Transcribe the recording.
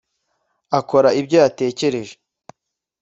akora ibyo yatekereje